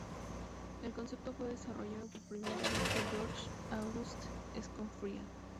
El concepto fue desarrollado por primera vez por Georges Auguste Escoffier.